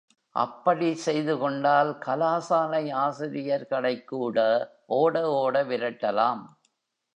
அப்படி செய்து கெண்டால் கலாசாலை ஆசிரியர்களைக் கூட ஓட ஓட விரட்டலாம்.